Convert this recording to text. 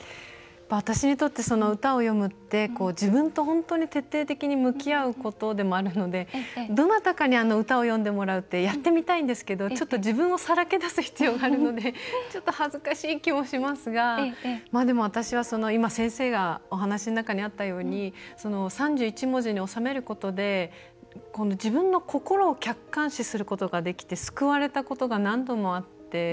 私にとって歌を詠むって自分と本当に徹底的に向き合うことでもあるのでどなたかに歌を詠んでもらうってやってみたいんですけどちょっと、自分をさらけ出す必要があるのでちょっと恥ずかしい気もしますがでも私は、今先生がお話しの中にあったように３１文字に収めることで自分の心を客観視することができて救われたことが何度もあって。